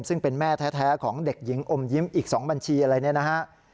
ซึ่งเป็นแม่แท้ของเด็กหญิงอมยิ้มอีก๒บัญชีอะไรเนี่ยนะฮะ